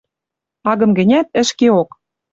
Агым гӹнят, ӹшкеок!